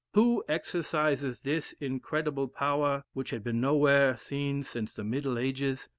Who exercises this incredible power, which had been nowhere seen since the middle ages?